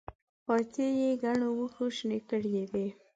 پايڅې يې ګڼو وښو شنې کړې وې.